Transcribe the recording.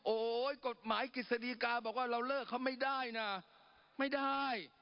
โอ้โหกฎหมายกฤษฎีกาบอกว่าเราเลิกเขาไม่ได้นะไม่ได้